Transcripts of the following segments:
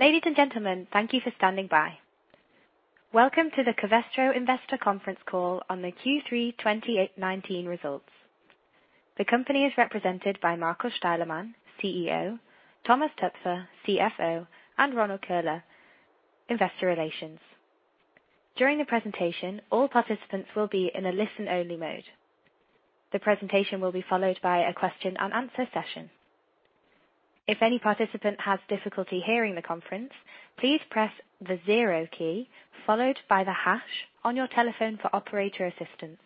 Ladies and gentlemen, thank you for standing by. Welcome to the Covestro Investor Conference Call on the Q3 2019 results. The company is represented by Markus Steilemann, CEO, Thomas Toepfer, CFO, and Ronald Koehler, Investor Relations. During the presentation, all participants will be in a listen-only mode. The presentation will be followed by a question-and-answer session. If any participant has difficulty hearing the conference, please press the zero key followed by the hash on your telephone for operator assistance.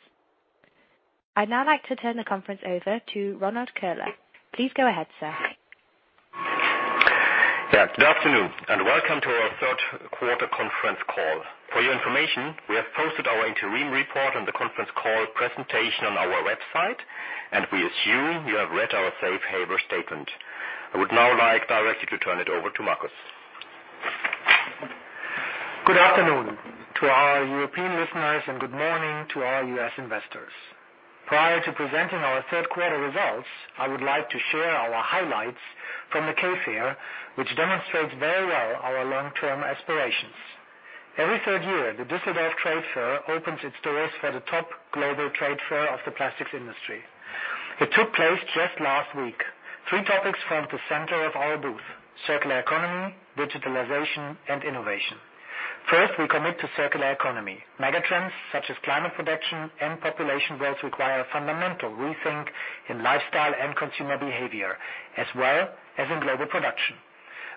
I'd now like to turn the conference over to Ronald Koehler. Please go ahead, sir. Yeah. Good afternoon, and welcome to our third quarter conference call. For your information, we have posted our interim report on the conference call presentation on our website, and we assume you have read our safe harbor statement. I would now like directly to turn it over to Markus. Good afternoon to our European listeners, and good morning to all U.S. investors. Prior to presenting our third quarter results, I would like to share our highlights from the K Fair, which demonstrates very well our long-term aspirations. Every third year, the Düsseldorf Trade Fair opens its doors for the top global trade fair of the plastics industry. It took place just last week. Three topics formed the center of our booth. Circular economy, digitalization, and innovation. First, we commit to circular economy. Megatrends such as climate protection and population growth require a fundamental rethink in lifestyle and consumer behavior, as well as in global production.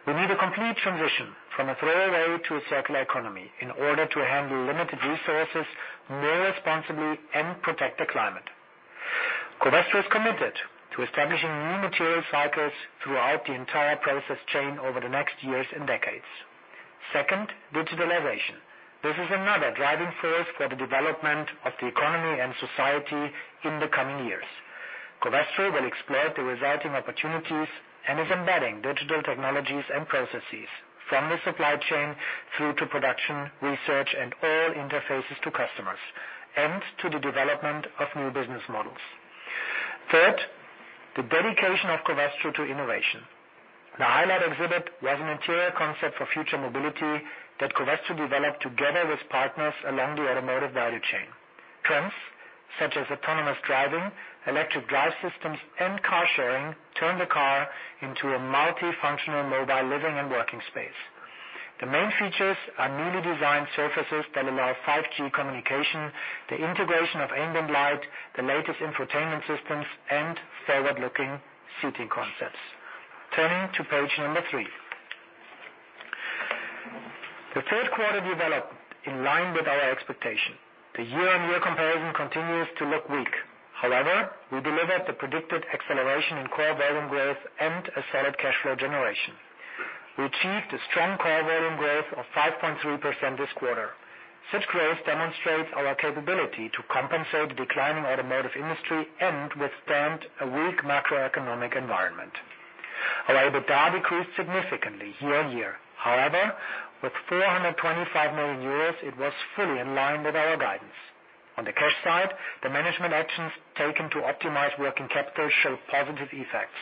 We need a complete transition from a throwaway to a circular economy in order to handle limited resources more responsibly and protect the climate. Covestro is committed to establishing new material cycles throughout the entire process chain over the next years and decades. Second, digitalization. This is another driving force for the development of the economy and society in the coming years. Covestro will explore the resulting opportunities and is embedding digital technologies and processes from the supply chain through to production, research, and all interfaces to customers, and to the development of new business models. Third, the dedication of Covestro to innovation. The highlight exhibit was an interior concept for future mobility that Covestro developed together with partners along the automotive value chain. Trends such as autonomous driving, electric drive systems, and car sharing turn the car into a multifunctional mobile living and working space. The main features are newly designed surfaces that allow 5G communication, the integration of ambient light, the latest infotainment systems, and forward-looking seating concepts. Turning to page three. The third quarter developed in line with our expectation. The year-on-year comparison continues to look weak. However, we delivered the predicted acceleration in core volume growth and a solid cash flow generation. We achieved a strong core volume growth of 5.3% this quarter. Such growth demonstrates our capability to compensate the declining automotive industry and withstand a weak macroeconomic environment. Our EBITDA decreased significantly year on year. However, with 425 million euros, it was fully in line with our guidance. On the cash side, the management actions taken to optimize working capital show positive effects.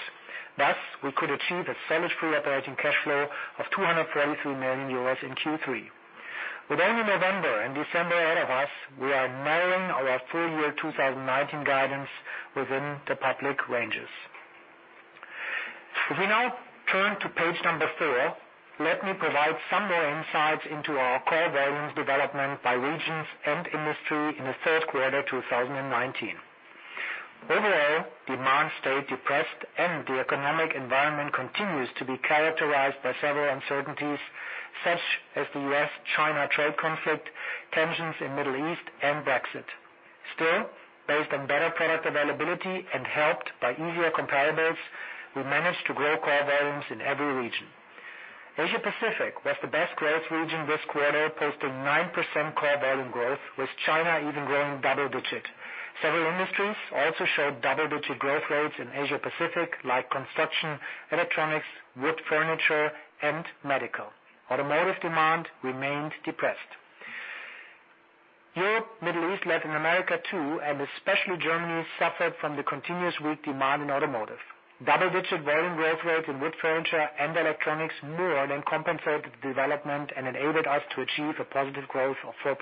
Thus, we could achieve a solid free operating cash flow of 243 million euros in Q3. With only November and December ahead of us, we are narrowing our full year 2019 guidance within the public ranges. If we now turn to page number four, let me provide some more insights into our core volumes development by regions and industry in the third quarter 2019. Overall, demand stayed depressed and the economic environment continues to be characterized by several uncertainties such as the U.S.-China trade conflict, tensions in Middle East, and Brexit. Still, based on better product availability and helped by easier comparables, we managed to grow core volumes in every region. Asia-Pacific was the best growth region this quarter, posting 9% core volume growth, with China even growing double-digit. Several industries also showed double-digit growth rates in Asia-Pacific, like construction, electronics, wood furniture, and medical. Automotive demand remained depressed. Europe, Middle East, Latin America too, and especially Germany, suffered from the continuous weak demand in automotive. Double-digit volume growth rate in wood furniture and electronics more than compensated the development and enabled us to achieve a positive growth of 4%.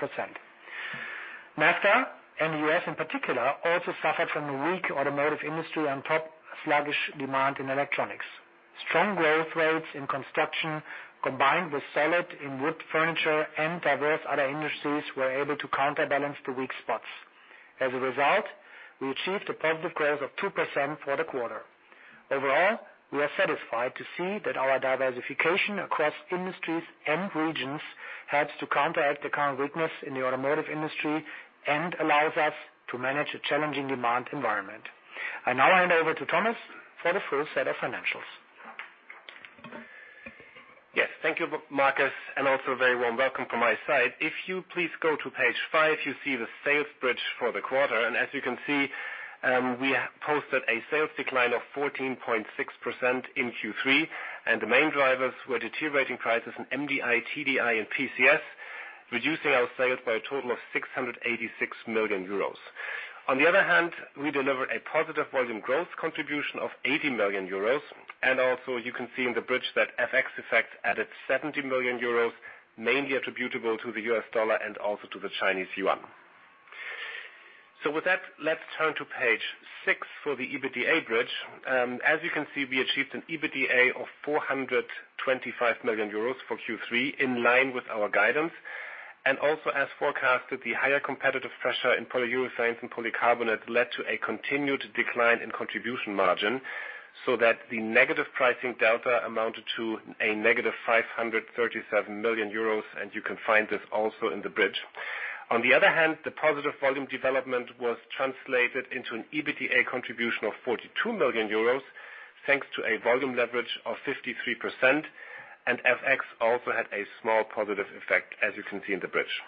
NAFTA and the U.S. in particular also suffered from a weak automotive industry on top of sluggish demand in electronics. Strong growth rates in construction, combined with solid in wood furniture and diverse other industries, were able to counterbalance the weak spots. As a result, we achieved a positive growth of 2% for the quarter. Overall, we are satisfied to see that our diversification across industries and regions helps to counteract the current weakness in the automotive industry and allows us to manage a challenging demand environment. I now hand over to Thomas for the full set of financials. Yes. Thank you, Markus, and also a very warm welcome from my side. If you please go to page five, you see the sales bridge for the quarter. As you can see, we posted a sales decline of 14.6% in Q3. The main drivers were deteriorating prices in MDI, TDI, and PCS Reducing our sales by a total of 686 million euros. On the other hand, we deliver a positive volume growth contribution of 80 million euros, also you can see in the bridge that FX effects added 70 million euros, mainly attributable to the U.S. dollar and also to the Chinese yuan. With that, let's turn to page six for the EBITDA bridge. As you can see, we achieved an EBITDA of 425 million euros for Q3, in line with our guidance. Also as forecasted, the higher competitive pressure in polyurethanes and polycarbonates led to a continued decline in contribution margin, so that the negative pricing delta amounted to a negative 537 million euros, and you can find this also in the bridge. On the other hand, the positive volume development was translated into an EBITDA contribution of 42 million euros, thanks to a volume leverage of 53%. FX also had a small positive effect, as you can see in the bridge.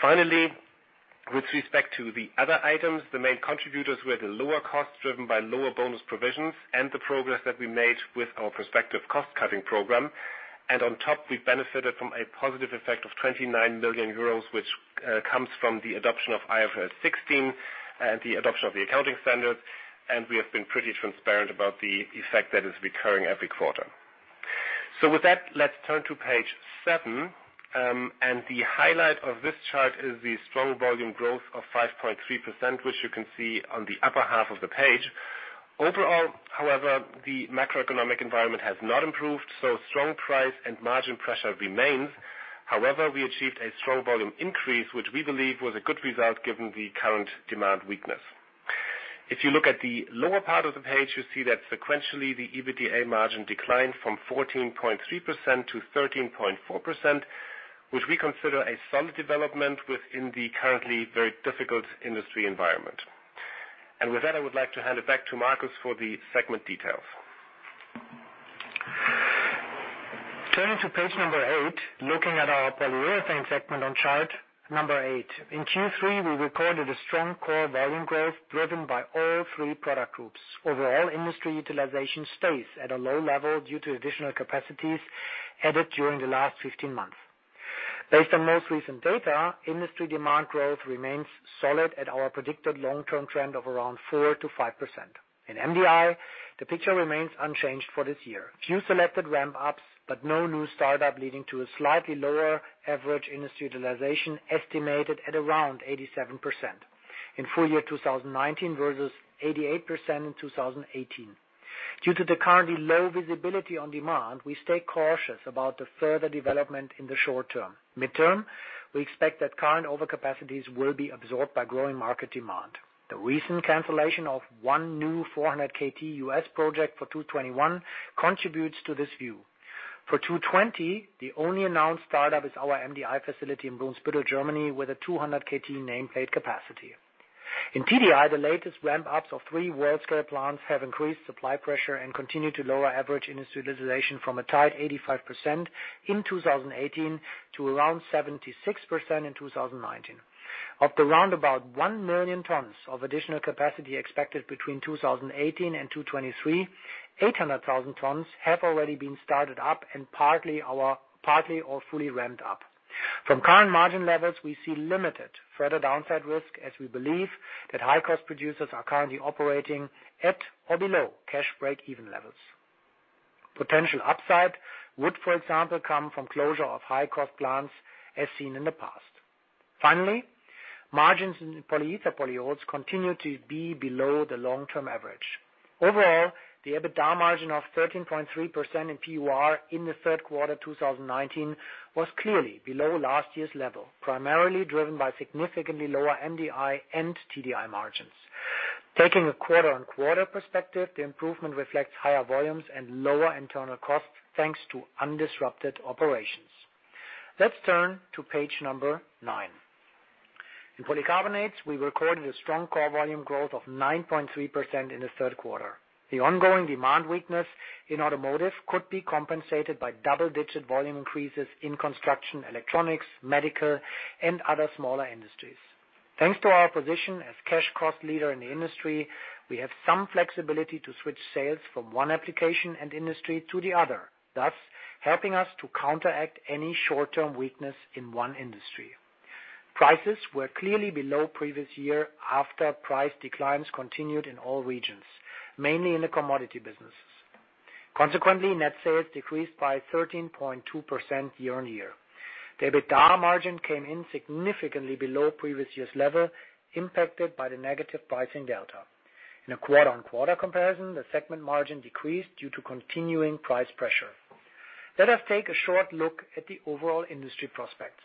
Finally, with respect to the other items, the main contributors were the lower costs driven by lower bonus provisions and the progress that we made with our prospective cost-cutting program. On top, we benefited from a positive effect of 29 million euros, which comes from the adoption of IFRS 16 and the adoption of the accounting standards, and we have been pretty transparent about the effect that is recurring every quarter. With that, let's turn to page seven. The highlight of this chart is the strong volume growth of 5.3%, which you can see on the upper half of the page. Overall, however, the macroeconomic environment has not improved, so strong price and margin pressure remains. However, we achieved a strong volume increase, which we believe was a good result given the current demand weakness. If you look at the lower part of the page, you see that sequentially, the EBITDA margin declined from 14.3% to 13.4%, which we consider a solid development within the currently very difficult industry environment. With that, I would like to hand it back to Markus for the segment details. Turning to page number 8, looking at our polyurethane segment on chart number 8. In Q3, we recorded a strong core volume growth driven by all three product groups. Overall industry utilization stays at a low level due to additional capacities added during the last 15 months. Based on most recent data, industry demand growth remains solid at our predicted long-term trend of around 4%-5%. In MDI, the picture remains unchanged for this year. Few selected ramp-ups, but no new startup leading to a slightly lower average industry utilization estimated at around 87%. In full year 2019 versus 88% in 2018. Due to the currently low visibility on demand, we stay cautious about the further development in the short term. Midterm, we expect that current overcapacities will be absorbed by growing market demand. The recent cancellation of one new 400 KT U.S. project for 2021 contributes to this view. For 2020, the only announced startup is our MDI facility in Brunsbüttel, Germany, with a 200 KT nameplate capacity. In TDI, the latest ramp-ups of three world-scale plants have increased supply pressure and continue to lower average industry utilization from a tight 85% in 2018 to around 76% in 2019. Of the round about one million tons of additional capacity expected between 2018 and 2023, 800,000 tons have already been started up and partly or fully ramped up. From current margin levels, we see limited further downside risk as we believe that high-cost producers are currently operating at or below cash break-even levels. Potential upside would, for example, come from closure of high-cost plants as seen in the past. Finally, margins in polyether polyols continue to be below the long-term average. Overall, the EBITDA margin of 13.3% in PUR in the third quarter 2019 was clearly below last year's level, primarily driven by significantly lower MDI and TDI margins. Taking a quarter-on-quarter perspective, the improvement reflects higher volumes and lower internal costs, thanks to undisrupted operations. Let's turn to page number 9. In polycarbonates, we recorded a strong core volume growth of 9.3% in the third quarter. The ongoing demand weakness in automotive could be compensated by double-digit volume increases in construction, electronics, medical, and other smaller industries. Thanks to our position as cash cost leader in the industry, we have some flexibility to switch sales from one application and industry to the other, thus helping us to counteract any short-term weakness in one industry. Prices were clearly below previous year after price declines continued in all regions, mainly in the commodity businesses. Consequently, net sales decreased by 13.2% year-on-year. The EBITDA margin came in significantly below previous year's level, impacted by the negative pricing delta. In a quarter-on-quarter comparison, the segment margin decreased due to continuing price pressure. Let us take a short look at the overall industry prospects.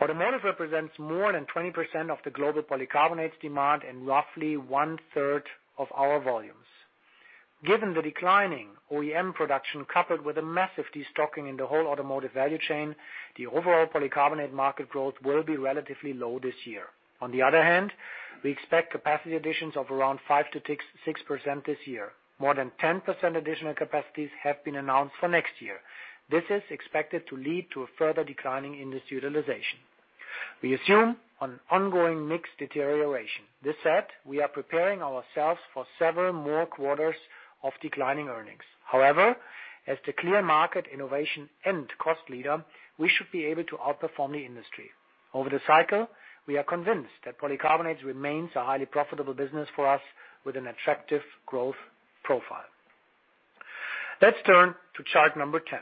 Automotive represents more than 20% of the global polycarbonates demand and roughly one-third of our volumes. Given the declining OEM production coupled with a massive destocking in the whole automotive value chain, the overall polycarbonate market growth will be relatively low this year. On the other hand, we expect capacity additions of around 5%-6% this year. More than 10% additional capacities have been announced for next year. This is expected to lead to a further decline in industry utilization. We assume an ongoing mix deterioration. This said, we are preparing ourselves for several more quarters of declining earnings. However, as the clear market innovation and cost leader, we should be able to outperform the industry. Over the cycle, we are convinced that polycarbonates remains a highly profitable business for us with an attractive growth profile. Let's turn to chart number 10.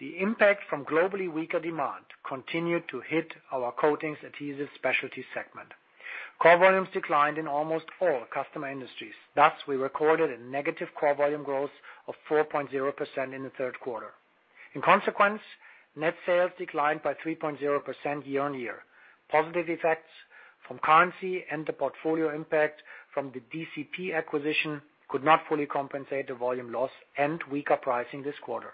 The impact from globally weaker demand continued to hit our coatings adhesives specialty segment. Core volumes declined in almost all customer industries. Thus, we recorded a negative core volume growth of 4.0% in the third quarter. In consequence, net sales declined by 3.0% year-on-year. Positive effects from currency and the portfolio impact from the DSM acquisition could not fully compensate the volume loss and weaker pricing this quarter.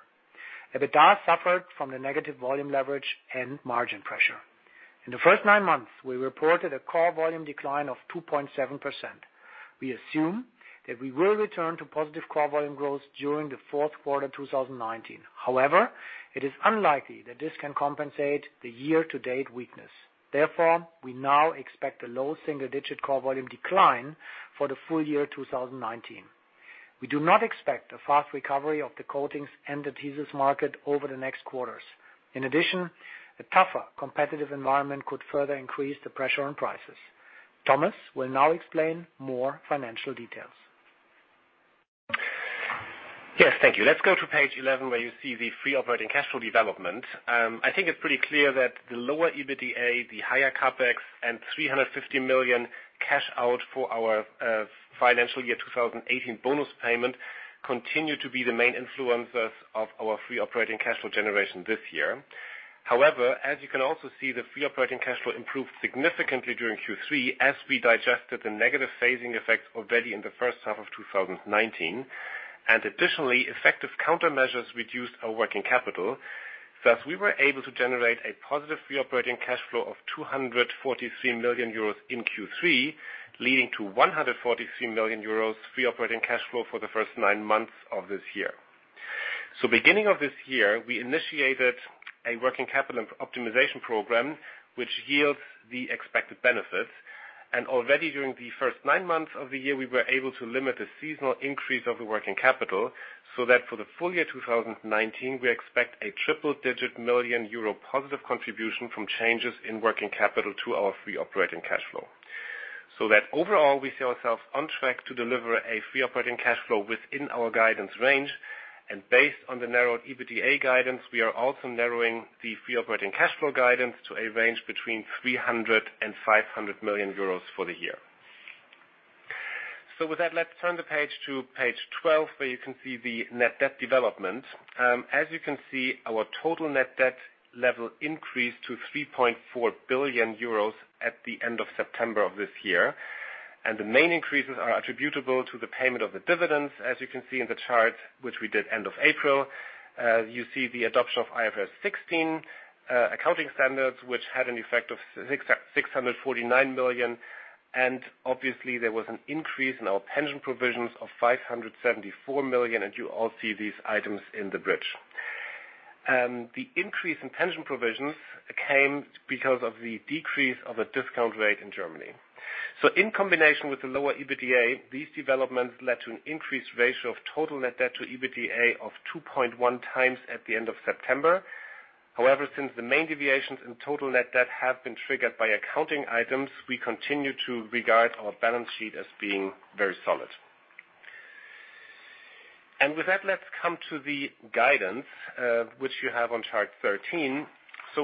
EBITDA suffered from the negative volume leverage and margin pressure. In the first nine months, we reported a core volume decline of 2.7%. We assume that we will return to positive core volume growth during the fourth quarter 2019. However, it is unlikely that this can compensate the year-to-date weakness. Therefore, we now expect a low single-digit core volume decline for the full year 2019. We do not expect a fast recovery of the coatings and adhesives market over the next quarters. In addition, a tougher competitive environment could further increase the pressure on prices. Thomas will now explain more financial details. Yes, thank you. Let's go to page 11, where you see the free operating cash flow development. I think it's pretty clear that the lower EBITDA, the higher CapEx, and 350 million cash out for our financial year 2018 bonus payment continue to be the main influencers of our free operating cash flow generation this year. However, as you can also see, the free operating cash flow improved significantly during Q3 as we digested the negative phasing effect already in the first half of 2019. Additionally, effective countermeasures reduced our working capital. Thus, we were able to generate a positive free operating cash flow of 243 million euros in Q3, leading to 143 million euros free operating cash flow for the first nine months of this year. Beginning of this year, we initiated a working capital optimization program, which yields the expected benefits. Already during the first nine months of the year, we were able to limit the seasonal increase of the working capital so that for the full year 2019, we expect a triple-digit million EUR positive contribution from changes in working capital to our free operating cash flow. Overall, we see ourselves on track to deliver a free operating cash flow within our guidance range. Based on the narrowed EBITDA guidance, we are also narrowing the free operating cash flow guidance to a range between 300 million euros and 500 million euros for the year. With that, let's turn the page to page 12, where you can see the net debt development. As you can see, our total net debt level increased to 3.4 billion euros at the end of September of this year. The main increases are attributable to the payment of the dividends, as you can see in the chart, which we did end of April. You see the adoption of IFRS 16 accounting standards, which had an effect of 649 million. Obviously, there was an increase in our pension provisions of 574 million, and you all see these items in the bridge. The increase in pension provisions came because of the decrease of a discount rate in Germany. In combination with the lower EBITDA, these developments led to an increased ratio of total net debt to EBITDA of 2.1 times at the end of September. However, since the main deviations in total net debt have been triggered by accounting items, we continue to regard our balance sheet as being very solid. With that, let's come to the guidance, which you have on chart 13.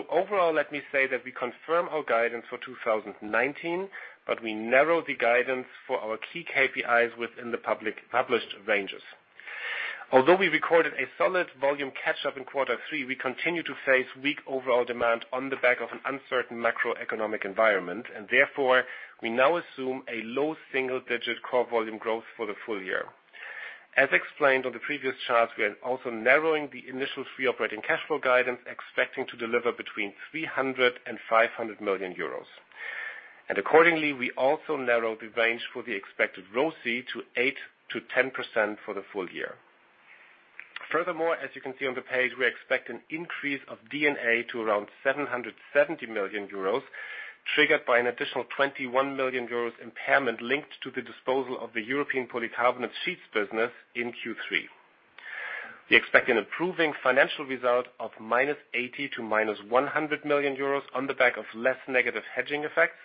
Overall, let me say that we confirm our guidance for 2019, but we narrow the guidance for our key KPIs within the published ranges. Although we recorded a solid volume catch-up in quarter three, we continue to face weak overall demand on the back of an uncertain macroeconomic environment, therefore, we now assume a low single-digit core volume growth for the full year. As explained on the previous chart, we are also narrowing the initial free operating cash flow guidance, expecting to deliver between 300 million euros and 500 million euros. Accordingly, we also narrow the range for the expected ROCE to 8%-10% for the full year. Furthermore, as you can see on the page, we expect an increase of D&A to around 770 million euros, triggered by an additional 21 million euros impairment linked to the disposal of the European polycarbonate sheets business in Q3. We expect an improving financial result of -80 million to -100 million euros on the back of less negative hedging effects,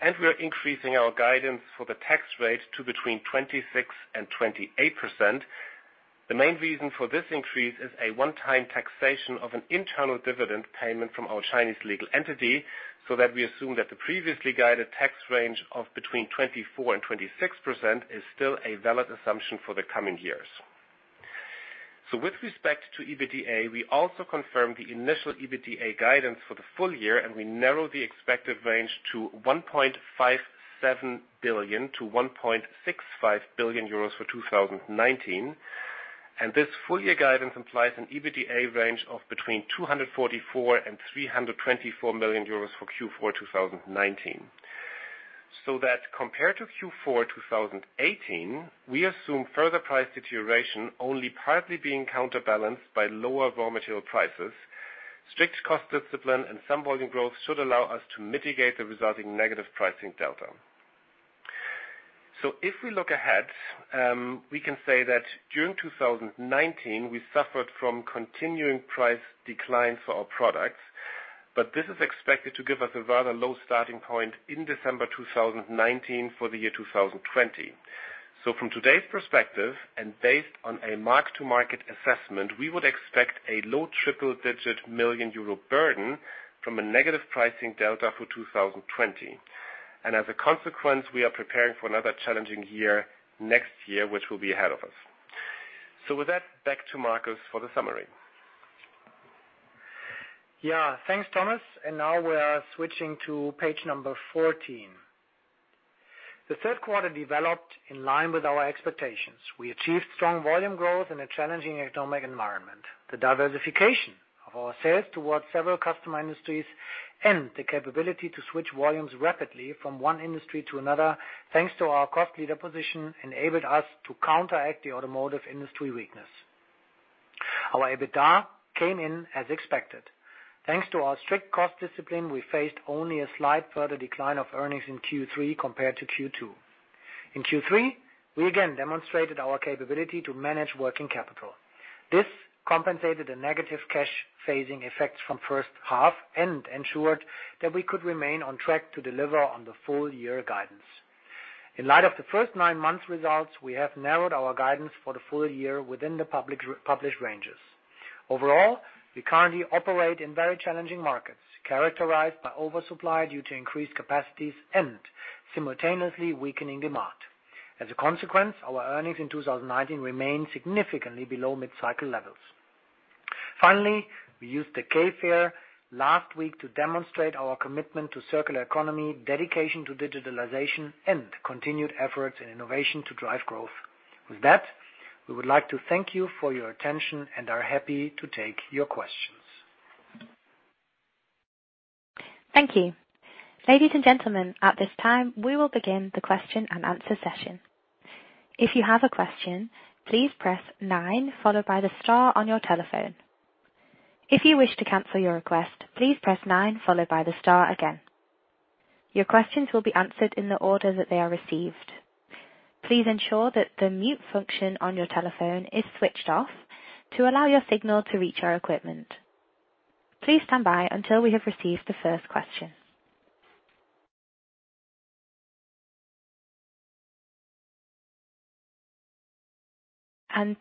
and we are increasing our guidance for the tax rate to between 26% and 28%. The main reason for this increase is a one-time taxation of an internal dividend payment from our Chinese legal entity, so that we assume that the previously guided tax range of between 24% and 26% is still a valid assumption for the coming years. With respect to EBITDA, we also confirm the initial EBITDA guidance for the full year, and we narrow the expected range to 1.57 billion to 1.65 billion euros for 2019. This full year guidance implies an EBITDA range of between 244 million and 324 million euros for Q4 2019. Compared to Q4 2018, we assume further price deterioration only partly being counterbalanced by lower raw material prices. Strict cost discipline and some volume growth should allow us to mitigate the resulting negative pricing delta. If we look ahead, we can say that during 2019, we suffered from continuing price declines for our products, but this is expected to give us a rather low starting point in December 2019 for the year 2020. From today's perspective, and based on a mark-to-market assessment, we would expect a low triple-digit million EUR burden from a negative pricing delta for 2020. As a consequence, we are preparing for another challenging year next year, which will be ahead of us. With that, back to Markus for the summary. Yeah. Thanks, Thomas. Now we are switching to page number 14. The third quarter developed in line with our expectations. We achieved strong volume growth in a challenging economic environment. The diversification of our sales towards several customer industries and the capability to switch volumes rapidly from one industry to another, thanks to our cost leader position, enabled us to counteract the automotive industry weakness. Our EBITDA came in as expected. Thanks to our strict cost discipline, we faced only a slight further decline of earnings in Q3 compared to Q2. In Q3, we again demonstrated our capability to manage working capital. This compensated a negative cash phasing effect from first half and ensured that we could remain on track to deliver on the full year guidance. In light of the first nine months results, we have narrowed our guidance for the full year within the published ranges. Overall, we currently operate in very challenging markets, characterized by oversupply due to increased capacities and simultaneously weakening demand. As a consequence, our earnings in 2019 remain significantly below mid-cycle levels. Finally, we used the K Fair last week to demonstrate our commitment to circular economy, dedication to digitalization, and continued efforts in innovation to drive growth. With that, we would like to thank you for your attention and are happy to take your questions. Thank you. Ladies and gentlemen, at this time, we will begin the question and answer session. If you have a question, please press nine followed by the star on your telephone. If you wish to cancel your request, please press nine followed by the star again. Your questions will be answered in the order that they are received. Please ensure that the mute function on your telephone is switched off to allow your signal to reach our equipment. Please stand by until we have received the first question.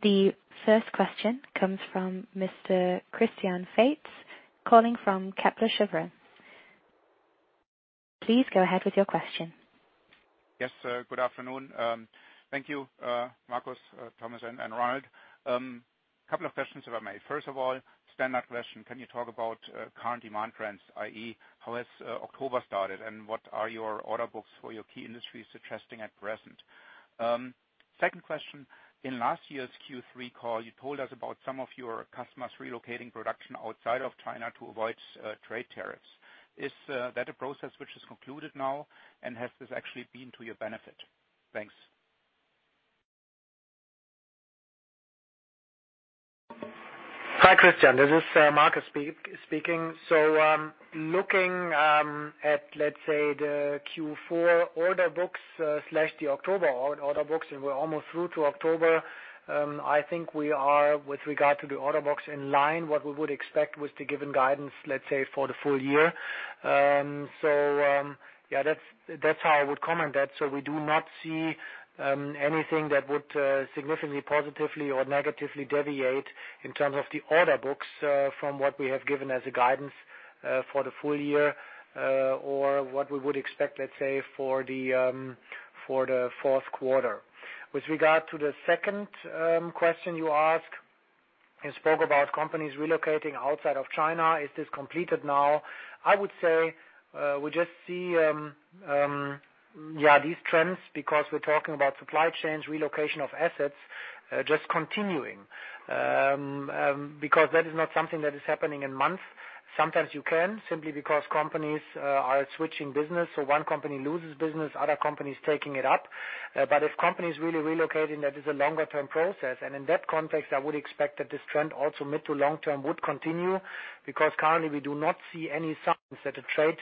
The first question comes from Mr. Christian Faitz, calling from Kepler Cheuvreux. Please go ahead with your question. Yes. Good afternoon. Thank you, Markus, Thomas, and Ronald. Couple of questions if I may. First of all, standard question: can you talk about current demand trends, i.e., how has October started, and what are your order books for your key industries suggesting at present? Second question: in last year's Q3 call, you told us about some of your customers relocating production outside of China to avoid trade tariffs. Is that a process which is concluded now, and has this actually been to your benefit? Thanks. Hi, Christian. This is Markus speaking. Looking at, let's say, the Q4 order books/the October order books, and we're almost through to October, I think we are, with regard to the order books, in line what we would expect with the given guidance, let's say, for the full year. That's how I would comment that. We do not see anything that would significantly positively or negatively deviate in terms of the order books from what we have given as a guidance for the full year, or what we would expect, let's say, for the fourth quarter. With regard to the second question you asked, you spoke about companies relocating outside of China. Is this completed now? I would say we just see these trends because we're talking about supply chains, relocation of assets just continuing. Because that is not something that is happening in months. Sometimes you can, simply because companies are switching business. One company loses business, other company's taking it up. If companies really relocating, that is a longer-term process. In that context, I would expect that this trend also mid to long term would continue, because currently we do not see any signs that a trade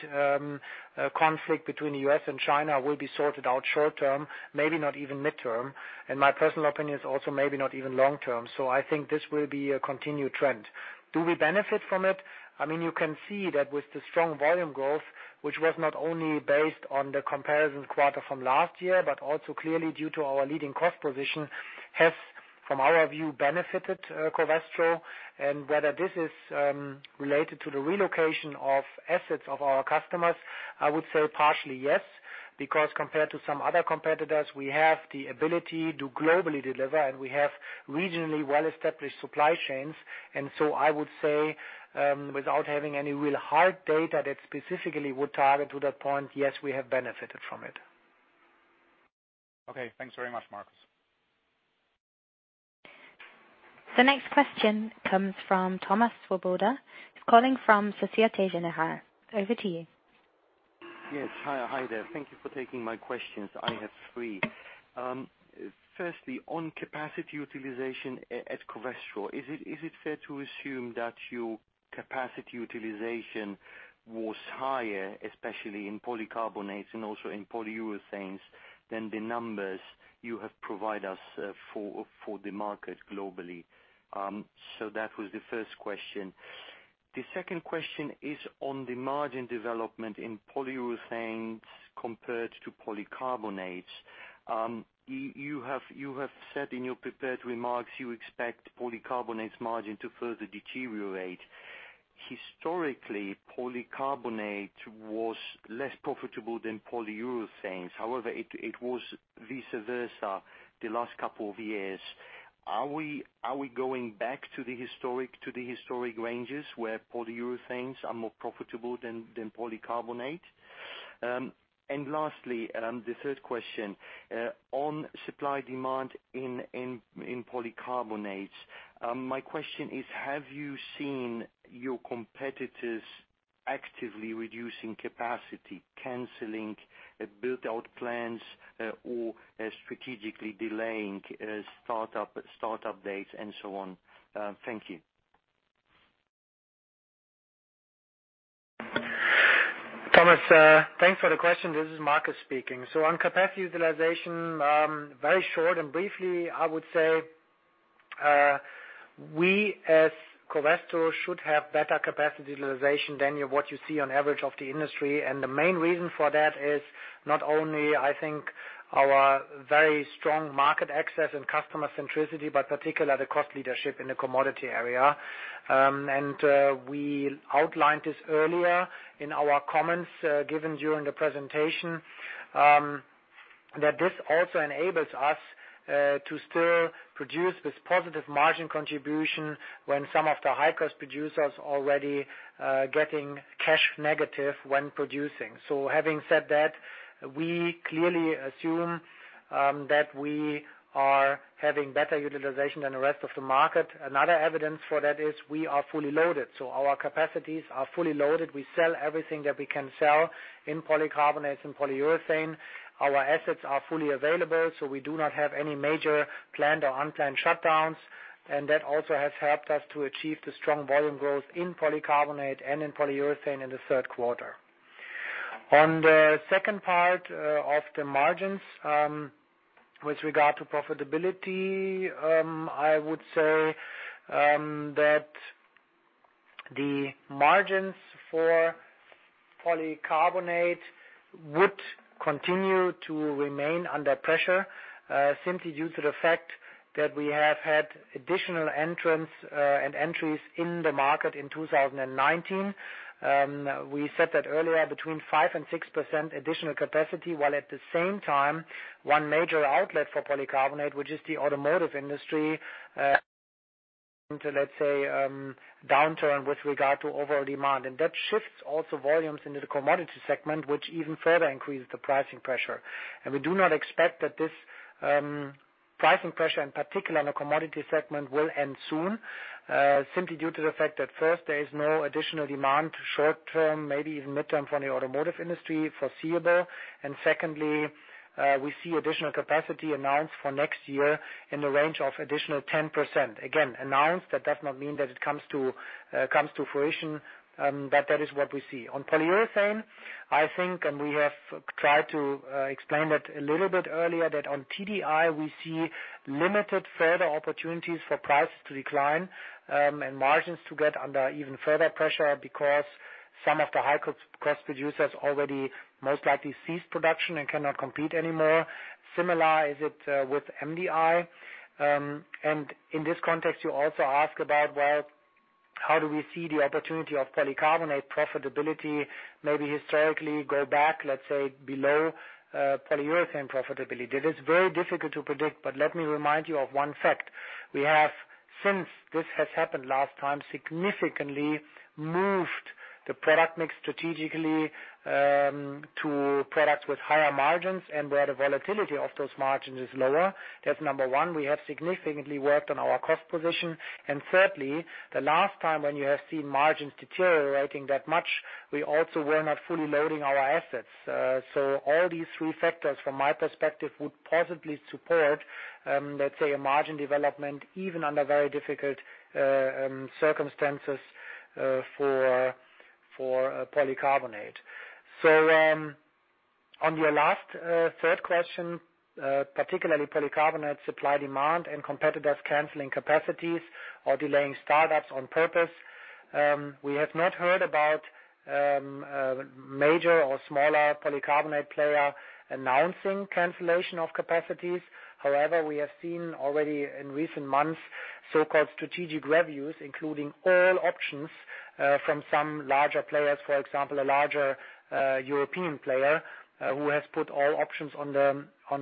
conflict between the U.S. and China will be sorted out short term, maybe not even mid-term. My personal opinion is also maybe not even long term. I think this will be a continued trend. Do we benefit from it? You can see that with the strong volume growth, which was not only based on the comparison quarter from last year, but also clearly due to our leading cost position, has, from our view, benefited Covestro. Whether this is related to the relocation of assets of our customers, I would say partially yes, because compared to some other competitors, we have the ability to globally deliver, and we have regionally well-established supply chains. I would say, without having any real hard data that specifically would target to that point, yes, we have benefited from it. Okay, thanks very much, Markus. The next question comes from Thomas Swoboda. He's calling from Societe Generale. Over to you. Yes. Hi there. Thank you for taking my questions. I have three. Firstly, on capacity utilization at Covestro, is it fair to assume that your capacity utilization was higher, especially in polycarbonates and also in polyurethanes, than the numbers you have provided us for the market globally? That was the first question. The second question is on the margin development in polyurethanes compared to polycarbonates. You have said in your prepared remarks, you expect polycarbonates margin to further deteriorate. Historically, polycarbonate was less profitable than polyurethanes. However, it was vice versa the last couple of years. Are we going back to the historic ranges where polyurethanes are more profitable than polycarbonate? Lastly, the third question, on supply-demand in polycarbonates. My question is, have you seen your competitors actively reducing capacity, canceling build-out plans, or strategically delaying startup dates and so on? Thank you. Thomas, thanks for the question. This is Markus speaking. On capacity utilization, very short and briefly, I would say we, as Covestro, should have better capacity utilization than what you see on average of the industry. The main reason for that is not only, I think, our very strong market access and customer centricity, but particularly the cost leadership in the commodity area. We outlined this earlier in our comments given during the presentation, that this also enables us to still produce this positive margin contribution when some of the high-cost producers already getting cash negative when producing. Having said that, we clearly assume that we are having better utilization than the rest of the market. Another evidence for that is we are fully loaded, so our capacities are fully loaded. We sell everything that we can sell in polycarbonates and polyurethane. Our assets are fully available, so we do not have any major planned or unplanned shutdowns, and that also has helped us to achieve the strong volume growth in polycarbonate and in polyurethane in the third quarter. On the second part of the margins with regard to profitability, I would say that the margins for polycarbonate would continue to remain under pressure, simply due to the fact that we have had additional entrants and entries in the market in 2019. We said that earlier, between 5% and 6% additional capacity, while at the same time, one major outlet for polycarbonate, which is the automotive industry into, let's say, downturn with regard to overall demand. That shifts also volumes into the commodity segment, which even further increases the pricing pressure. We do not expect that this pricing pressure, in particular in the commodity segment, will end soon, simply due to the fact that first, there is no additional demand short-term, maybe even mid-term from the automotive industry foreseeable. Secondly, we see additional capacity announced for next year in the range of additional 10%. Again, announced. That does not mean that it comes to fruition, but that is what we see. On polyurethane, I think, and we have tried to explain that a little bit earlier, that on TDI, we see limited further opportunities for prices to decline and margins to get under even further pressure because some of the high-cost producers already most likely ceased production and cannot compete anymore. Similar is it with MDI. In this context, you also ask about, well, how do we see the opportunity of polycarbonate profitability maybe historically go back, let's say, below polyurethane profitability? That is very difficult to predict, but let me remind you of one fact. We have, since this has happened last time, significantly moved the product mix strategically to products with higher margins and where the volatility of those margins is lower. That's number one. We have significantly worked on our cost position. Thirdly, the last time when you have seen margins deteriorating that much, we also were not fully loading our assets. All these three factors, from my perspective, would possibly support, let's say, a margin development even under very difficult circumstances for polycarbonate. On your last third question, particularly polycarbonate supply-demand and competitors canceling capacities or delaying startups on purpose, we have not heard about major or smaller polycarbonate player announcing cancellation of capacities. However, we have seen already in recent months, so-called strategic reviews, including all options from some larger players. For example, a larger European player who has put all options on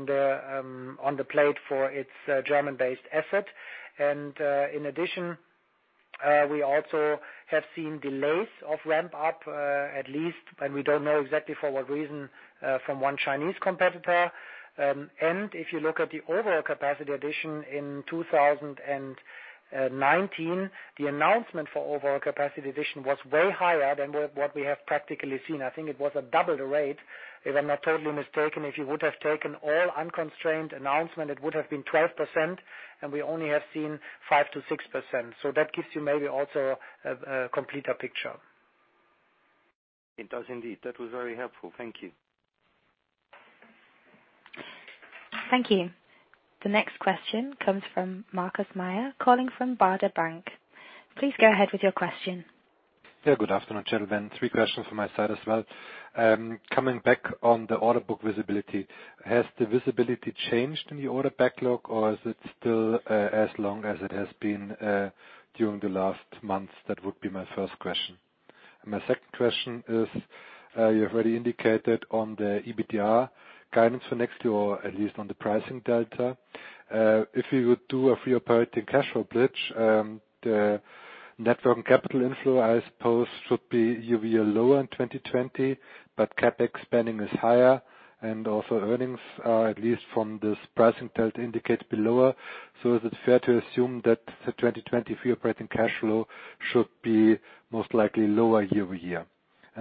the plate for its German-based asset. In addition, we also have seen delays of ramp up, at least, and we don't know exactly for what reason, from one Chinese competitor. If you look at the overall capacity addition in 2019, the announcement for overall capacity addition was way higher than what we have practically seen. I think it was double the rate, if I'm not totally mistaken. If you would have taken all unconstrained announcement, it would have been 12%, and we only have seen 5%-6%. That gives you maybe also a completer picture. It does indeed. That was very helpful. Thank you. Thank you. The next question comes from Markus Mayer, calling from Baader Bank. Please go ahead with your question. Yeah, good afternoon, gentlemen. Three questions from my side as well. Coming back on the order book visibility. Has the visibility changed in the order backlog, or is it still as long as it has been during the last months? That would be my first question. My second question is, you have already indicated on the EBITDA guidance for next year, or at least on the pricing delta. If you would do a free operating cash flow bridge, the net working capital inflow, I suppose, should be year-over-year lower in 2020, but CapEx spending is higher and also earnings are at least from this pricing delta indicate be lower. Is it fair to assume that the 2020 free operating cash flow should be most likely lower year-over-year?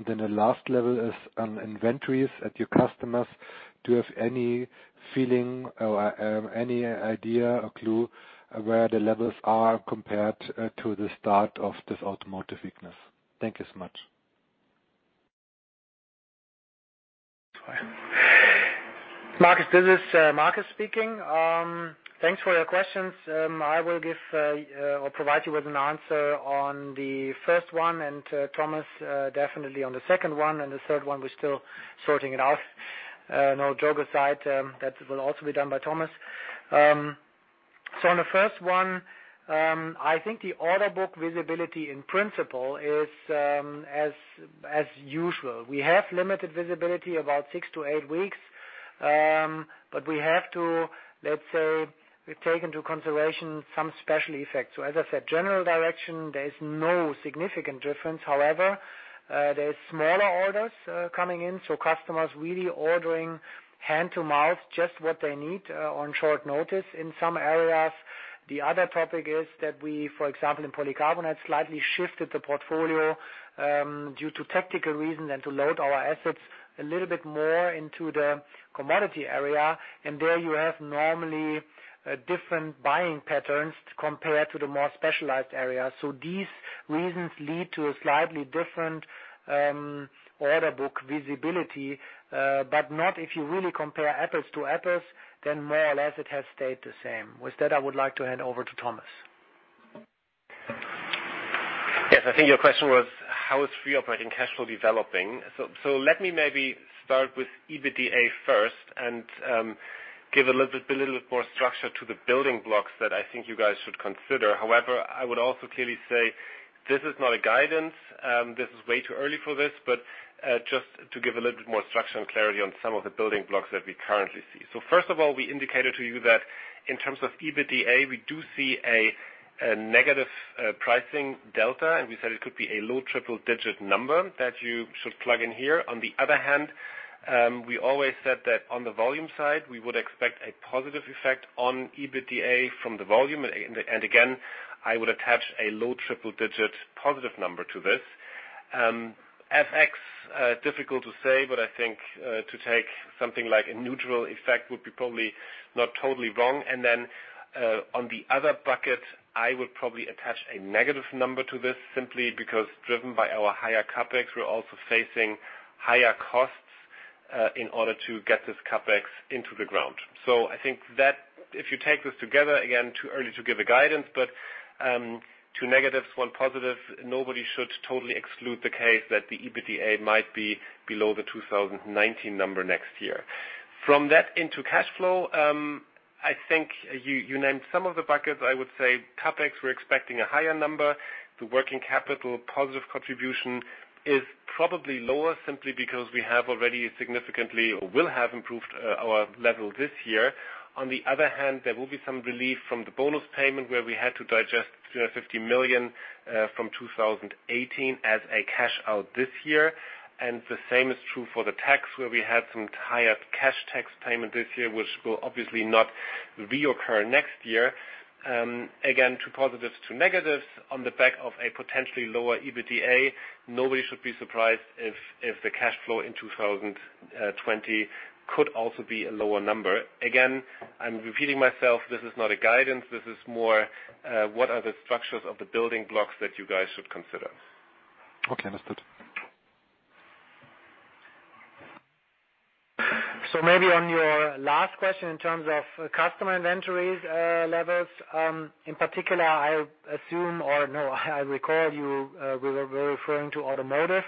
The last level is on inventories at your customers. Do you have any feeling or any idea or clue where the levels are compared to the start of this automotive weakness? Thank you so much. Markus, this is Markus speaking. Thanks for your questions. I will give or provide you with an answer on the first one and Thomas definitely on the second one. The third one, we're still sorting it out. No, joke aside, that will also be done by Thomas. On the first one, I think the order book visibility in principle is as usual. We have limited visibility about six to eight weeks, but we have to, let's say, take into consideration some special effects. As I said, general direction, there is no significant difference. However, there is smaller orders coming in, so customers really ordering hand to mouth just what they need on short notice in some areas. The other topic is that we, for example, in polycarbonate, slightly shifted the portfolio, due to tactical reasons and to load our assets a little bit more into the commodity area. There you have normally different buying patterns compared to the more specialized area. These reasons lead to a slightly different order book visibility, but not if you really compare apples to apples, then more or less it has stayed the same. With that, I would like to hand over to Thomas. I think your question was how is free operating cash flow developing? Let me maybe start with EBITDA first and give a little bit more structure to the building blocks that I think you guys should consider. I would also clearly say this is not a guidance. This is way too early for this, but just to give a little bit more structure and clarity on some of the building blocks that we currently see. First of all, we indicated to you that in terms of EBITDA, we do see a negative pricing delta, and we said it could be a low triple digit number that you should plug in here. We always said that on the volume side, we would expect a positive effect on EBITDA from the volume. Again, I would attach a low triple-digit positive number to this. FX, difficult to say, but I think to take something like a neutral effect would be probably not totally wrong. Then, on the other bucket, I would probably attach a negative number to this simply because driven by our higher CapEx, we're also facing higher costs in order to get this CapEx into the ground. I think that if you take this together, again, too early to give a guidance, but two negatives, one positive, nobody should totally exclude the case that the EBITDA might be below the 2019 number next year. From that into cash flow, I think you named some of the buckets. I would say CapEx, we're expecting a higher number. The working capital positive contribution is probably lower simply because we have already significantly or will have improved our level this year. On the other hand, there will be some relief from the bonus payment where we had to digest 350 million from 2018 as a cash-out this year. The same is true for the tax, where we had some higher cash tax payment this year, which will obviously not reoccur next year. Again, two positives, two negatives. On the back of a potentially lower EBITDA, nobody should be surprised if the cash flow in 2020 could also be a lower number. Again, I'm repeating myself, this is not a guidance. This is more what are the structures of the building blocks that you guys should consider. Okay. Understood. Maybe on your last question in terms of customer inventories levels, in particular, I assume, or no, I recall you were referring to automotive.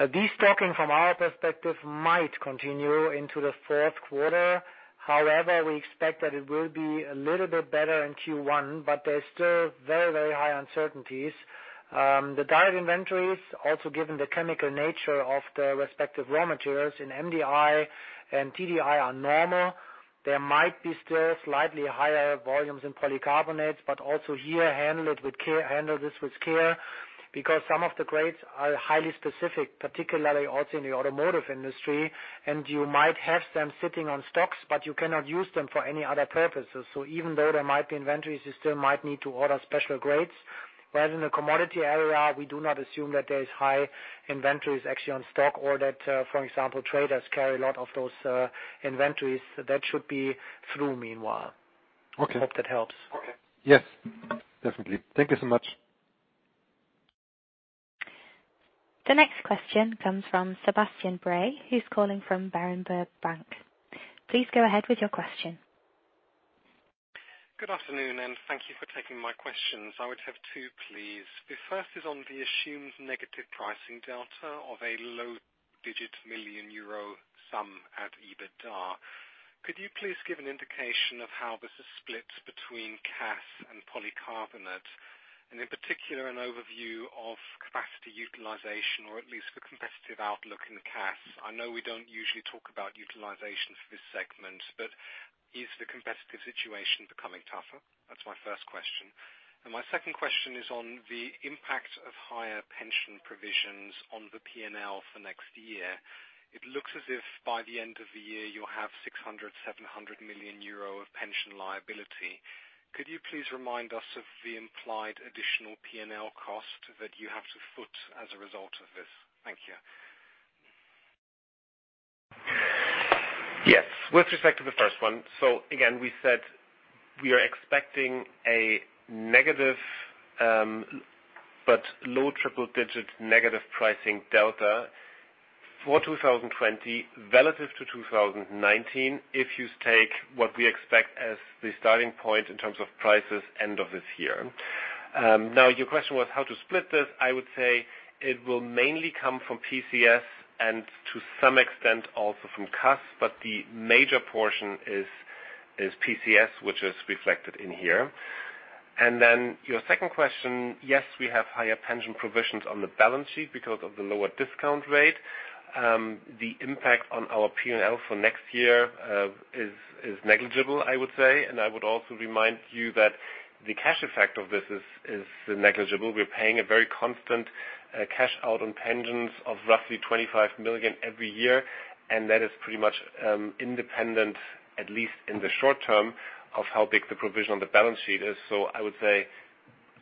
Destocking from our perspective might continue into the fourth quarter. We expect that it will be a little bit better in Q1, but there's still very high uncertainties. The direct inventories, also given the chemical nature of the respective raw materials in MDI and TDI are normal. There might be still slightly higher volumes in polycarbonates, but also here, handle this with care, because some of the grades are highly specific, particularly also in the automotive industry, and you might have them sitting on stocks, but you cannot use them for any other purposes. Even though there might be inventories, you still might need to order special grades. In the commodity area, we do not assume that there is high inventories actually on stock or that, for example, traders carry a lot of those inventories. That should be through meanwhile. Okay. Hope that helps. Okay. Yes, definitely. Thank you so much. The next question comes from Sebastian Bray, who's calling from Berenberg Bank. Please go ahead with your question. Good afternoon. Thank you for taking my questions. I would have two, please. The first is on the assumed negative pricing delta of a low digit million EUR sum at EBITDA. Could you please give an indication of how this is split between CAS and polycarbonate, and in particular, an overview of capacity utilization or at least the competitive outlook in the CAS? I know we don't usually talk about utilization for this segment. Is the competitive situation becoming tougher? That's my first question. My second question is on the impact of higher pension provisions on the P&L for next year. It looks as if by the end of the year, you'll have 600 million-700 million euro of pension liability. Could you please remind us of the implied additional P&L cost that you have to foot as a result of this? Thank you. Yes. With respect to the first one, we said we are expecting a negative, but low triple-digit negative pricing delta for 2020 relative to 2019. If you take what we expect as the starting point in terms of prices end of this year. Your question was how to split this. I would say it will mainly come from PCS and to some extent also from CAS, but the major portion is PCS, which is reflected in here. Your second question, yes, we have higher pension provisions on the balance sheet because of the lower discount rate. The impact on our P&L for next year is negligible, I would say. I would also remind you that the cash effect of this is negligible. We're paying a very constant cash out on pensions of roughly 25 million every year. That is pretty much independent, at least in the short term, of how big the provision on the balance sheet is. I would say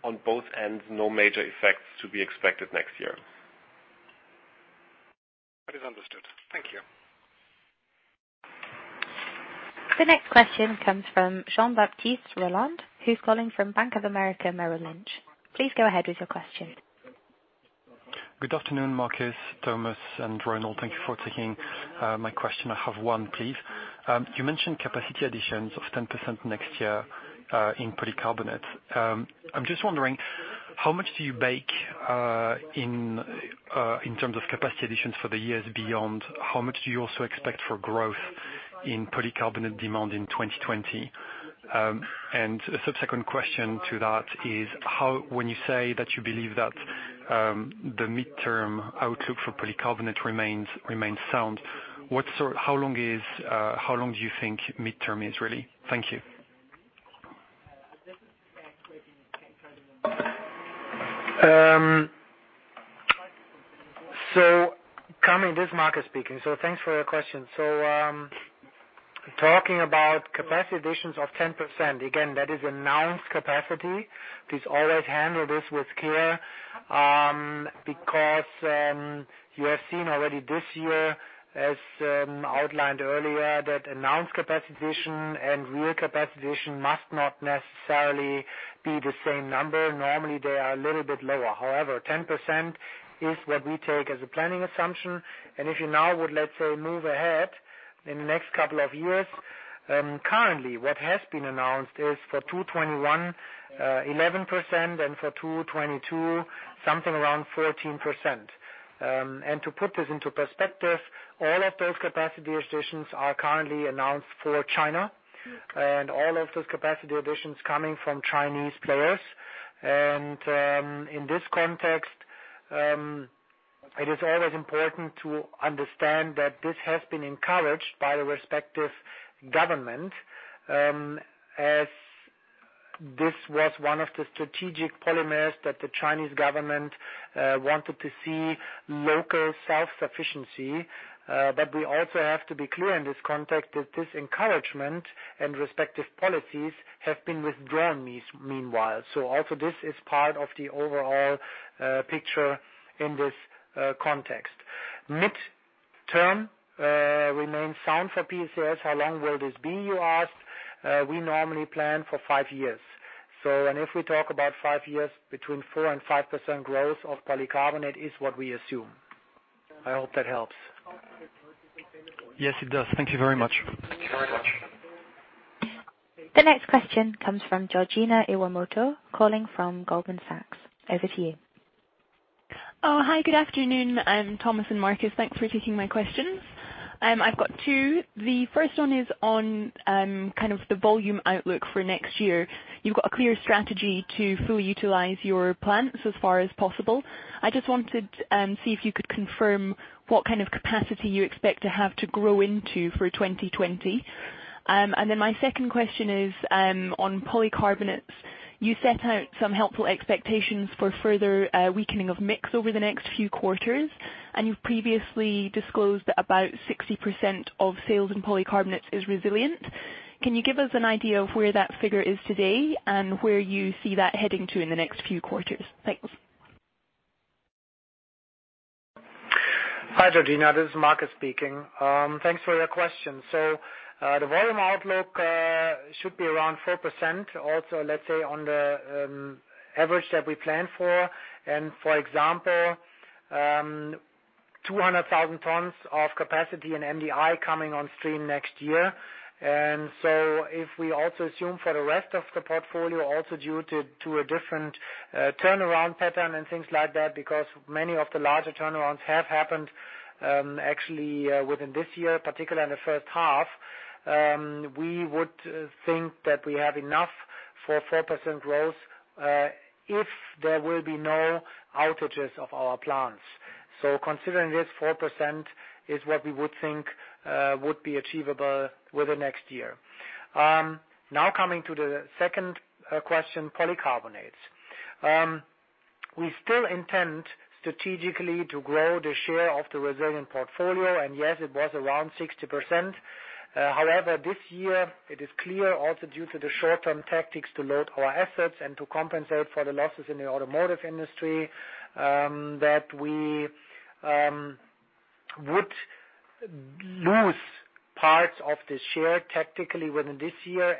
on both ends, no major effects to be expected next year. That is understood. Thank you. The next question comes from Jean-Baptiste Rolland, who is calling from Bank of America Merrill Lynch. Please go ahead with your question. Good afternoon, Markus, Thomas, and Ronald. Thank you for taking my question. I have one, please. You mentioned capacity additions of 10% next year in polycarbonate. I'm just wondering, how much do you bake in terms of capacity additions for the years beyond? How much do you also expect for growth in polycarbonate demand in 2020? A subsecond question to that is, when you say that you believe that the midterm outlook for polycarbonate remains sound, how long do you think midterm is, really? Thank you. Jean-Baptiste, this is Markus speaking. Thanks for your question. Talking about capacity additions of 10%, again, that is announced capacity. Please always handle this with care, because you have seen already this year, as outlined earlier, that announced capacity addition and real capacity addition must not necessarily be the same number. Normally, they are a little bit lower. However, 10% is what we take as a planning assumption. If you now would, let's say, move ahead in the next couple of years, currently what has been announced is for 2021, 11%, and for 2022, something around 14%. To put this into perspective, all of those capacity additions are currently announced for China, and all of those capacity additions coming from Chinese players. In this context, it is always important to understand that this has been encouraged by the respective government, as this was one of the strategic polymers that the Chinese government wanted to see local self-sufficiency. We also have to be clear in this context that this encouragement and respective policies have been withdrawn meanwhile. Also this is part of the overall picture in this context. Midterm remains sound for PCS. How long will this be, you asked. We normally plan for five years. If we talk about five years, between 4% and 5% growth of polycarbonate is what we assume. I hope that helps. Yes, it does. Thank you very much. The next question comes from Georgina Iwamoto, calling from Goldman Sachs. Over to you. Hi, good afternoon, Thomas and Markus. Thanks for taking my questions. I've got two. The first one is on kind of the volume outlook for next year. You've got a clear strategy to fully utilize your plants as far as possible. I just wanted to see if you could confirm what kind of capacity you expect to have to grow into for 2020. My second question is on polycarbonates. You set out some helpful expectations for further weakening of mix over the next few quarters, and you've previously disclosed that about 60% of sales in polycarbonates is resilient. Can you give us an idea of where that figure is today, and where you see that heading to in the next few quarters? Thanks. Hi, Georgina, this is Markus speaking. Thanks for your question. The volume outlook should be around 4% also on the average that we plan for. For example, 200,000 tons of capacity in MDI coming on stream next year. If we also assume for the rest of the portfolio, also due to a different turnaround pattern and things like that, because many of the larger turnarounds have happened actually within this year, particularly in the first half, we would think that we have enough for 4% growth, if there will be no outages of our plants. Considering this, 4% is what we would think would be achievable within next year. Coming to the second question, polycarbonates. We still intend strategically to grow the share of the resilient portfolio. Yes, it was around 60%. However, this year it is clear also due to the short-term tactics to load our assets and to compensate for the losses in the automotive industry, that we would lose parts of the share technically within this year.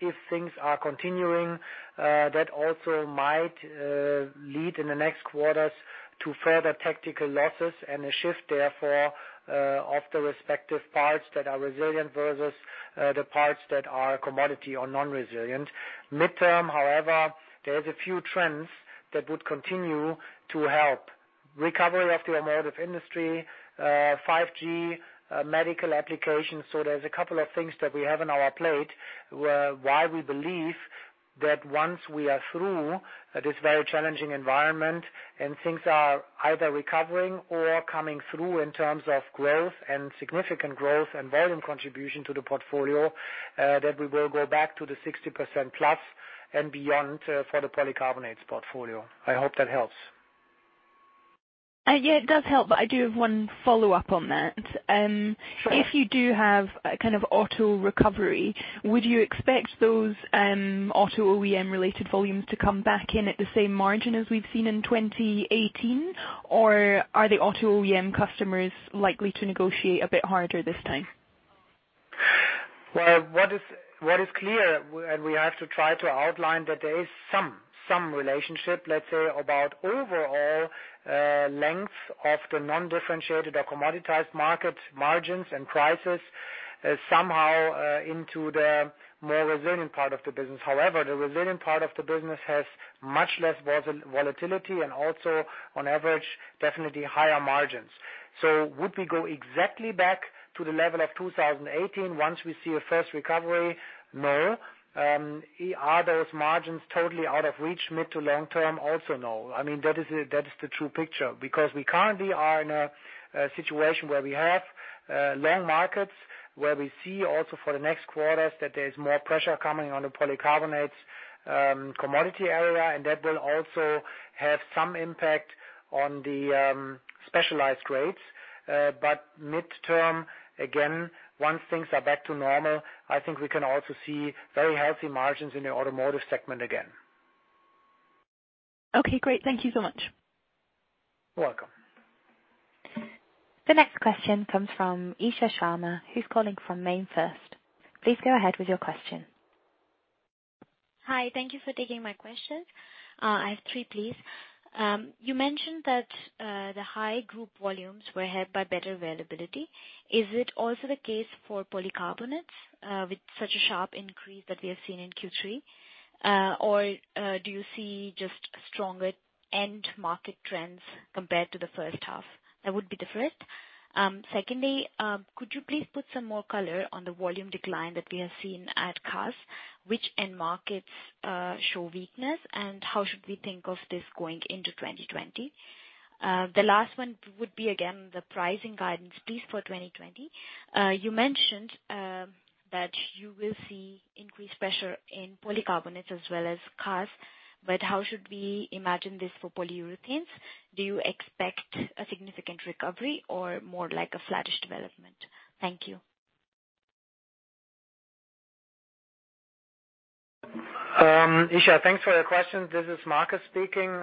If things are continuing, that also might lead in the next quarters to further tactical losses and a shift therefore, of the respective parts that are resilient versus the parts that are commodity or non-resilient. Midterm, however, there is a few trends that would continue to help. Recovery of the automotive industry, 5G, medical applications. There's a couple of things that we have on our plate, why we believe that once we are through this very challenging environment and things are either recovering or coming through in terms of growth and significant growth and volume contribution to the portfolio, that we will go back to the 60% plus and beyond for the polycarbonates portfolio. I hope that helps. Yeah, it does help, but I do have one follow-up on that. Sure. If you do have a kind of auto recovery, would you expect those auto OEM related volumes to come back in at the same margin as we've seen in 2018? Or are the auto OEM customers likely to negotiate a bit harder this time? Well, what is clear, and we have to try to outline that there is some relationship, let's say, about overall length of the non-differentiated or commoditized market margins and prices somehow into the more resilient part of the business. However, the resilient part of the business has much less volatility and also on average, definitely higher margins. Would we go exactly back to the level of 2018 once we see a first recovery? No. Are those margins totally out of reach mid to long-term? Also no. I mean, that is the true picture because we currently are in a situation where we have long markets, where we see also for the next quarters that there is more pressure coming on the polycarbonates commodity area, and that will also have some impact on the specialized rates. Midterm, again, once things are back to normal, I think we can also see very healthy margins in the automotive segment again. Okay, great. Thank you so much. You're welcome. The next question comes from Isha Sharma, who's calling from MainFirst. Please go ahead with your question. Hi. Thank you for taking my question. I have three, please. You mentioned that the high group volumes were helped by better availability. Is it also the case for polycarbonates with such a sharp increase that we have seen in Q3? Do you see just stronger end market trends compared to the first half that would be different? Secondly, could you please put some more color on the volume decline that we have seen at CAS? Which end markets show weakness, and how should we think of this going into 2020? The last one would be again, the pricing guidance, please, for 2020. You mentioned that you will see increased pressure in polycarbonates as well as CAS, how should we imagine this for polyurethanes? Do you expect a significant recovery or more like a flattish development? Thank you. Isha, thanks for the question. This is Markus speaking.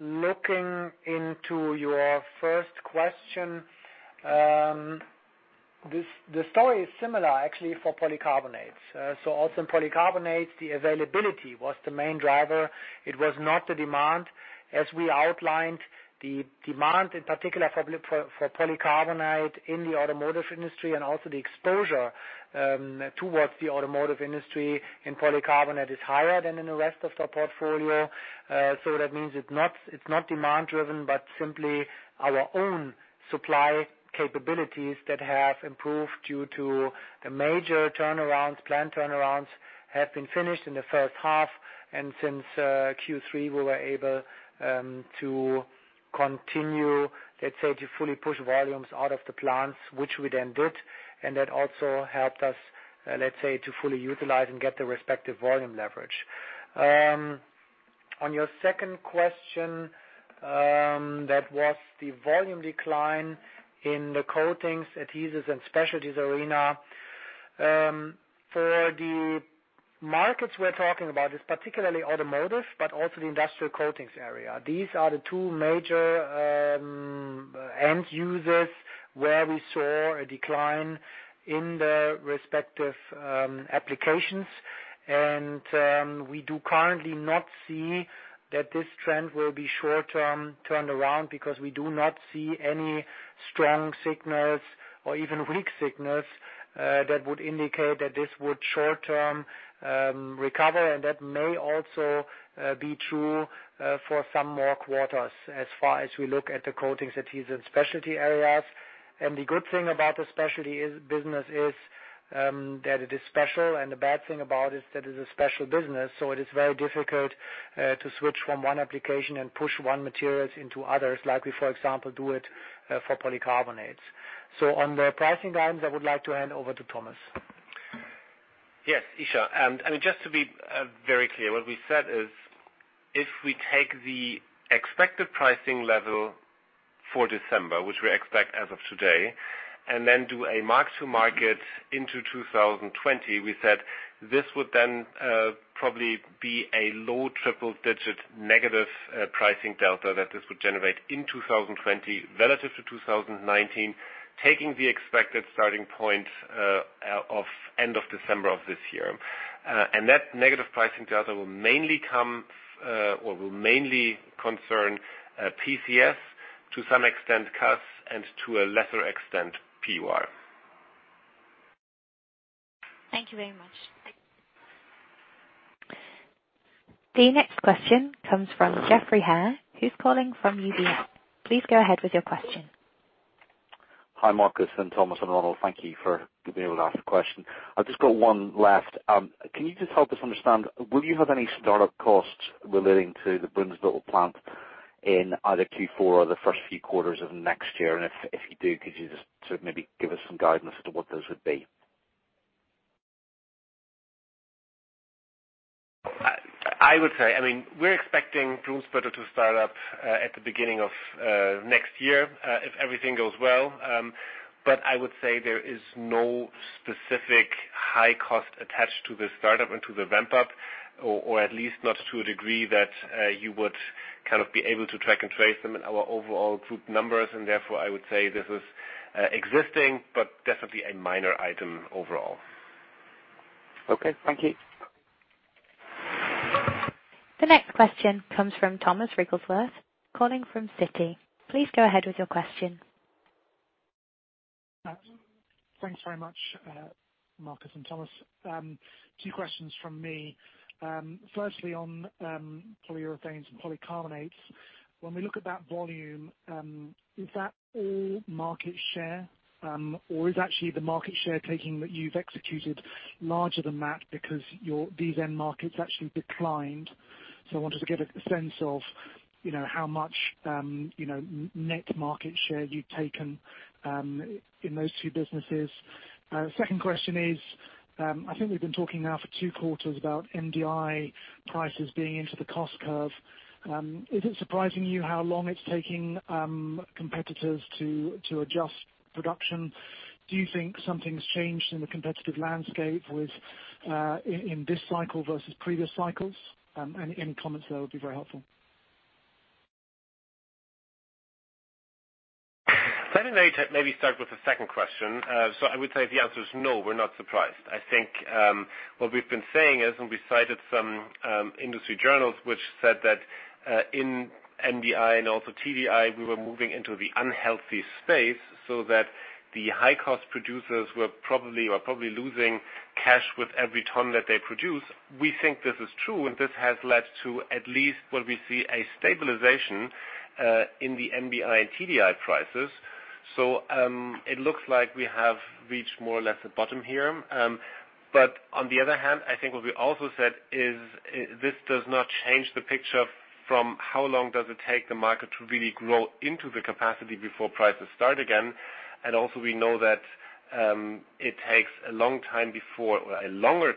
Looking into your first question, the story is similar actually for polycarbonates. Also in polycarbonates, the availability was the main driver. It was not the demand. As we outlined, the demand in particular for polycarbonate in the automotive industry and also the exposure towards the automotive industry in polycarbonate is higher than in the rest of our portfolio. That means it's not demand driven, but simply our own supply capabilities that have improved due to the major turnarounds, plant turnarounds have been finished in the first half. Since Q3, we were able to continue, let's say, to fully push volumes out of the plants, which we then did. That also helped us, let's say, to fully utilize and get the respective volume leverage. On your second question, that was the volume decline in the coatings, adhesives, and specialties arena. For the markets we're talking about, it's particularly automotive, but also the industrial coatings area. These are the two major end users where we saw a decline in the respective applications. We do currently not see that this trend will be short-term turned around, because we do not see any strong signals or even weak signals that would indicate that this would short-term recover, and that may also be true for some more quarters, as far as we look at the coatings, adhesives, and specialty areas. The good thing about the specialty business is that it is special, and the bad thing about it is that it's a special business. It is very difficult to switch from one application and push one materials into others. Like we, for example, do it for polycarbonates. On the pricing guidance, I would like to hand over to Thomas. Yes, Isha. Just to be very clear, what we said is, if we take the expected pricing level for December, which we expect as of today, then do a mark-to-market into 2020, we said this would then probably be a low triple-digit negative pricing delta that this would generate in 2020 relative to 2019, taking the expected starting point of end of December of this year. That negative pricing delta will mainly concern PCS, to some extent CAS, and to a lesser extent PUR. Thank you very much. The next question comes from Geoffrey Haire, who's calling from UBS. Please go ahead with your question. Hi, Markus and Thomas and Ronald. Thank you for being able to ask a question. I've just got one left. Can you just help us understand, will you have any startup costs relating to the Brunsbüttel plant in either Q4 or the first few quarters of next year? If you do, could you just maybe give us some guidance as to what those would be? I would say, we're expecting Brunsbüttel to start up at the beginning of next year, if everything goes well. I would say there is no specific high cost attached to the startup and to the ramp-up, or at least not to a degree that you would be able to track and trace them in our overall group numbers. Therefore, I would say this is existing, but definitely a minor item overall. Okay. Thank you. The next question comes from Thomas Wrigglesworth, calling from Citi. Please go ahead with your question. Thanks very much, Markus and Thomas. Two questions from me. Firstly, on polyurethanes and polycarbonates, when we look at that volume, is that all market share? Is actually the market share taking that you've executed larger than that because these end markets actually declined? I wanted to get a sense of how much net market share you've taken in those two businesses. Second question is, I think we've been talking now for two quarters about MDI prices being into the cost curve. Is it surprising you how long it's taking competitors to adjust production? Do you think something's changed in the competitive landscape in this cycle versus previous cycles? Any comments there would be very helpful. Let me maybe start with the second question. I would say the answer is no, we're not surprised. I think what we've been saying is, and we cited some industry journals, which said that in MDI and also TDI, we were moving into the unhealthy space, so that the high-cost producers were probably losing cash with every ton that they produce. We think this is true, and this has led to at least what we see, a stabilization in the MDI and TDI prices. It looks like we have reached more or less the bottom here. On the other hand, I think what we also said is this does not change the picture from how long does it take the market to really grow into the capacity before prices start again. Also, we know that it takes a longer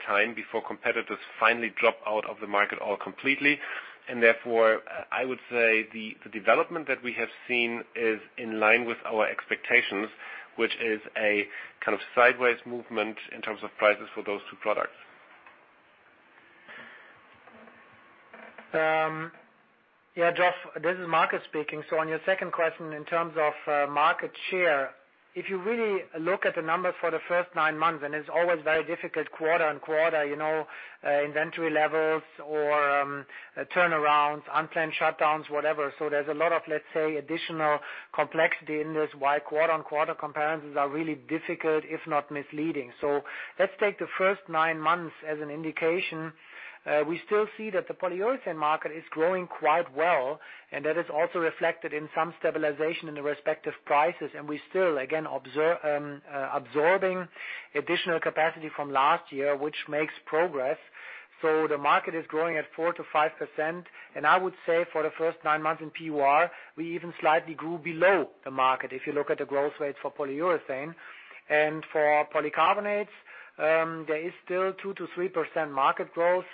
time before competitors finally drop out of the market all completely. Therefore, I would say the development that we have seen is in line with our expectations, which is a kind of sideways movement in terms of prices for those two products. Yeah, Geoff, this is Markus speaking. On your second question, in terms of market share, if you really look at the numbers for the first nine months, it's always very difficult quarter-on-quarter, inventory levels or turnarounds, unplanned shutdowns, whatever. There's a lot of, let's say, additional complexity in this, why quarter-on-quarter comparisons are really difficult, if not misleading. Let's take the first nine months as an indication. We still see that the polyurethane market is growing quite well, that is also reflected in some stabilization in the respective prices, we still, again, absorbing additional capacity from last year, which makes progress. The market is growing at 4%-5%, and I would say for the first nine months in PUR, we even slightly grew below the market, if you look at the growth rates for polyurethane. For polycarbonates, there is still 2%-3% market growth,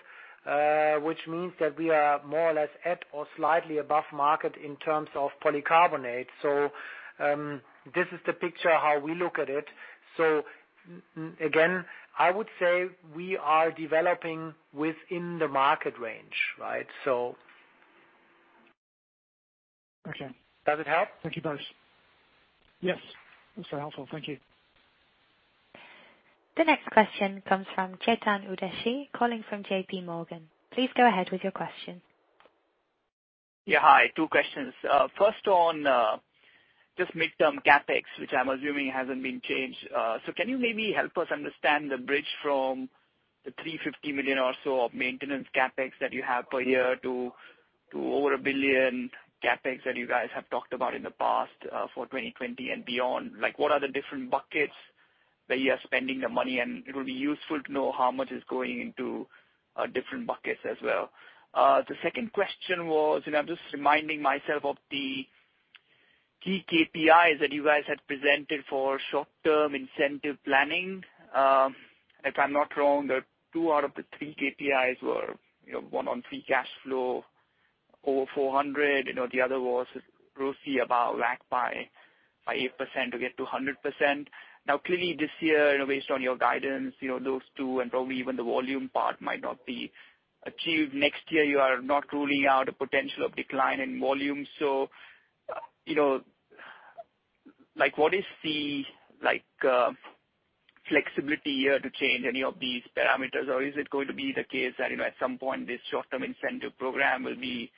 which means that we are more or less at or slightly above market in terms of polycarbonate. This is the picture, how we look at it. Again, I would say we are developing within the market range. Right. Okay. Does it help? Thank you both. Yes. It's very helpful. Thank you. The next question comes from Chetan Udeshi, calling from JPMorgan. Please go ahead with your question. Yeah. Hi. Two questions. First on just midterm CapEx, which I'm assuming hasn't been changed. Can you maybe help us understand the bridge from the 350 million or so of maintenance CapEx that you have per year to over a 1 billion CapEx that you guys have talked about in the past, for 2020 and beyond? What are the different buckets that you are spending the money in? It will be useful to know how much is going into different buckets as well. The second question was, I'm just reminding myself of the key KPIs that you guys had presented for short-term incentive planning. If I'm not wrong, the two out of the three KPIs were one on free cash flow over 400. The other was roughly about WACC by 8% to get to 100%. Clearly this year, based on your guidance, those two and probably even the volume part might not be achieved. Next year you are not ruling out a potential of decline in volume. What is the flexibility here to change any of these parameters? Is it going to be the case that, at some point this short-term incentive program will be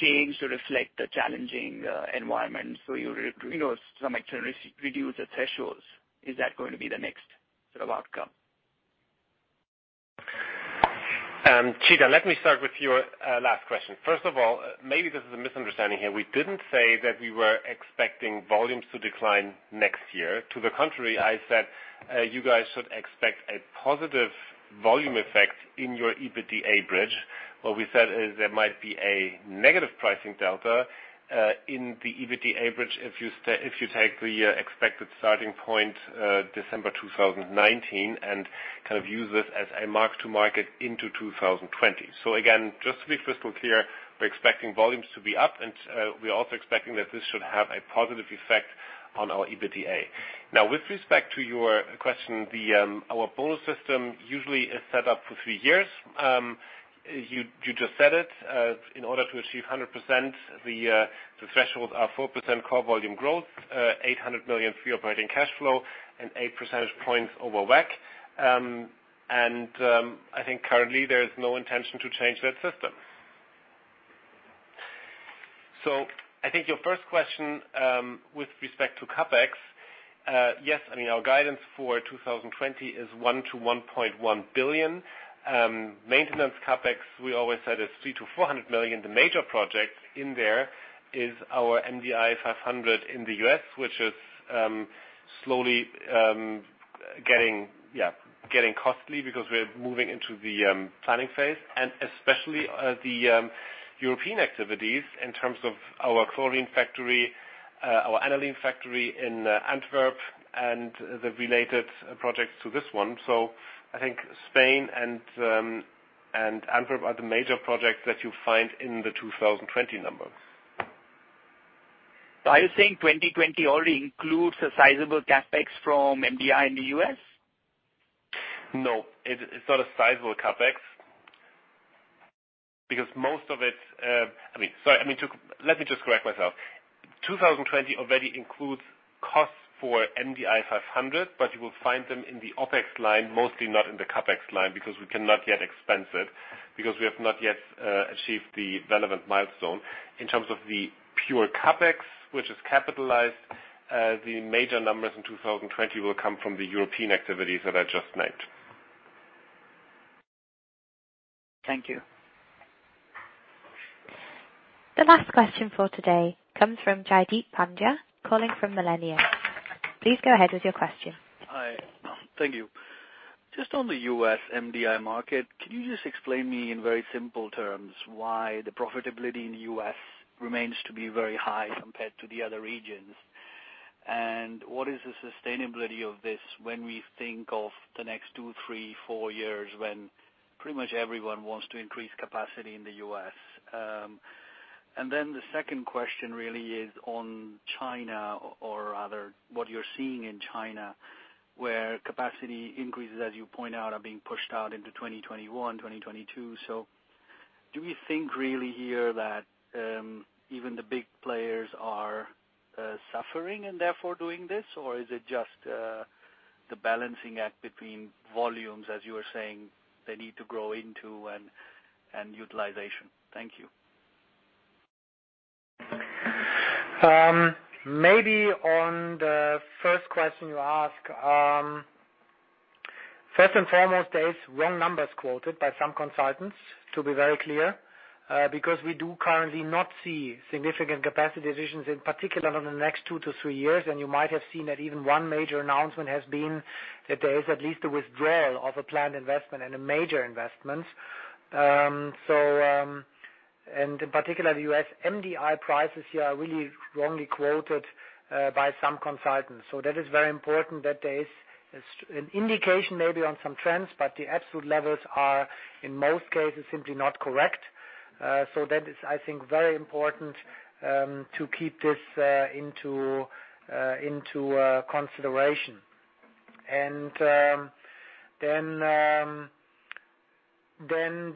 changed to reflect the challenging environment so you reduce the thresholds? Is that going to be the next sort of outcome? Chetan, let me start with your last question. Maybe this is a misunderstanding here. We didn't say that we were expecting volumes to decline next year. To the contrary, I said, you guys should expect a positive volume effect in your EBITDA bridge. What we said is there might be a negative pricing delta in the EBITDA bridge if you take the expected starting point, December 2019, and kind of use this as a mark to market into 2020. Just to be crystal clear, we're expecting volumes to be up, and we're also expecting that this should have a positive effect on our EBITDA. With respect to your question, our bonus system usually is set up for three years. You just said it. In order to achieve 100%, the thresholds are 4% core volume growth, 800 million free operating cash flow and 8 percentage points over WACC. I think currently there is no intention to change that system. I think your first question, with respect to CapEx, yes, I mean our guidance for 2020 is 1 billion-1.1 billion. Maintenance CapEx, we always said is 300 million-400 million. The major project in there is our MDI-500 in the U.S., which is slowly getting costly because we're moving into the planning phase and especially the European activities in terms of our chlorine factory, our aniline factory in Antwerp and the related projects to this one. I think Spain and Antwerp are the major projects that you'll find in the 2020 numbers. Are you saying 2020 already includes a sizable CapEx from MDI in the U.S.? No, it's not a sizable CapEx. Sorry. Let me just correct myself. 2020 already includes costs for MDI-500. You will find them in the OpEx line, mostly not in the CapEx line, because we cannot yet expense it, because we have not yet achieved the relevant milestone. In terms of the pure CapEx, which is capitalized, the major numbers in 2020 will come from the European activities that I just named. Thank you. The last question for today comes from Jaideep Pandya, calling from Millennium. Please go ahead with your question. Hi. Thank you. Just on the U.S. MDI market, can you just explain me in very simple terms why the profitability in the U.S. remains to be very high compared to the other regions? What is the sustainability of this when we think of the next two, three, four years when pretty much everyone wants to increase capacity in the U.S.? The second question really is on China or rather what you're seeing in China, where capacity increases, as you point out, are being pushed out into 2021, 2022. Do we think really here that even the big players are suffering and therefore doing this or is it just the balancing act between volumes, as you were saying, they need to grow into and utilization? Thank you. Maybe on the first question you ask. First and foremost, there is wrong numbers quoted by some consultants to be very clear, because we do currently not see significant capacity decisions in particular on the next 2-3 years. You might have seen that even one major announcement has been that there is at least a withdrawal of a planned investment and a major investment. In particular, the U.S. MDI prices here are really wrongly quoted by some consultants. That is very important that there is an indication maybe on some trends, but the absolute levels are, in most cases, simply not correct. That is, I think, very important to keep this into consideration. Then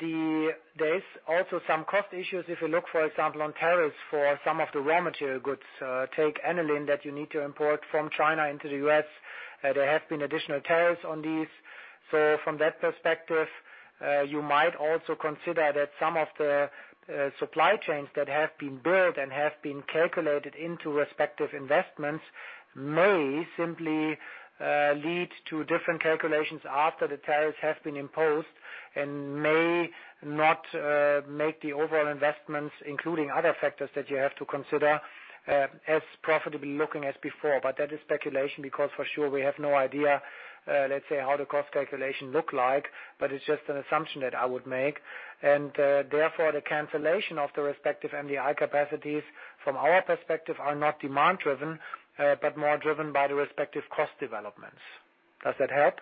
there is also some cost issues. If you look, for example, on tariffs for some of the raw material goods, take aniline that you need to import from China into the U.S. There have been additional tariffs on these. From that perspective, you might also consider that some of the supply chains that have been built and have been calculated into respective investments may simply lead to different calculations after the tariffs have been imposed and may not make the overall investments, including other factors that you have to consider, as profitably looking as before. That is speculation because for sure, we have no idea, let's say, how the cost calculation look like, but it's just an assumption that I would make. Therefore, the cancellation of the respective MDI capacities, from our perspective, are not demand-driven, but more driven by the respective cost developments. Does that help?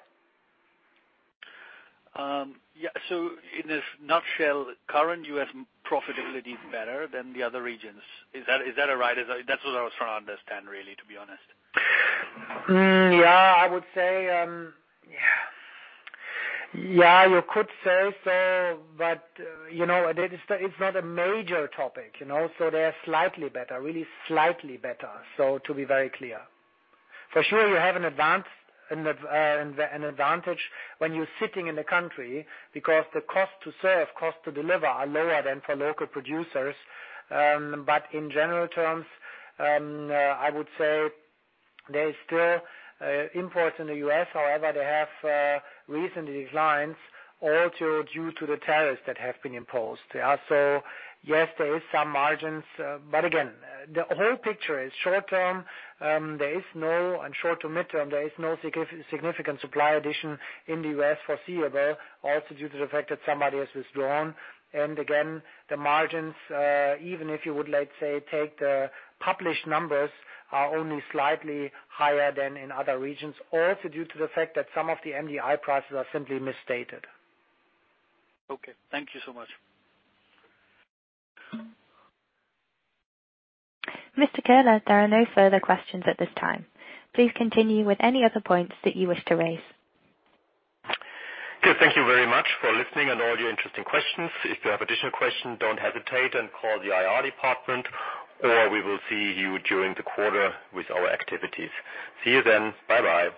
Yeah. In a nutshell, current U.S. profitability is better than the other regions. Is that right? That's what I was trying to understand really, to be honest. Yeah, you could say so, but it's not a major topic. They're slightly better, really slightly better, to be very clear. For sure, you have an advantage when you're sitting in a country because the cost to serve, cost to deliver are lower than for local producers. In general terms, I would say they still import in the U.S. However, they have recently declined also due to the tariffs that have been imposed. Yes, there is some margins. Short to midterm, there is no significant supply addition in the U.S. foreseeable, also due to the fact that some others has drawn. Again, the margins, even if you would, let's say, take the published numbers, are only slightly higher than in other regions, also due to the fact that some of the MDI prices are simply misstated. Okay. Thank you so much. Mr. Köhler, there are no further questions at this time. Please continue with any other points that you wish to raise. Okay, thank you very much for listening and all your interesting questions. If you have additional question, don't hesitate and call the IR department, or we will see you during the quarter with our activities. See you then. Bye-bye.